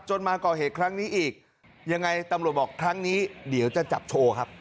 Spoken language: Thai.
มาก่อเหตุครั้งนี้อีกยังไงตำรวจบอกครั้งนี้เดี๋ยวจะจับโชว์ครับ